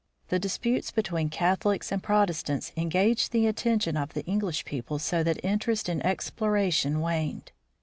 The disputes be tween Catholics and Protestants engaged the attention of the English people so that interest in exploration waned.